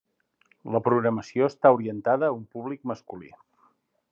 La programació està orientada a un públic masculí.